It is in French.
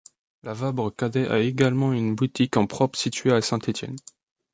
Lavabre Cadet a également une boutique en propre située à Saint-Étienne.